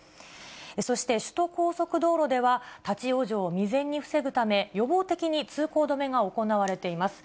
そして首都高速道路では、立往生を未然に防ぐため、予防的に通行止めが行われています。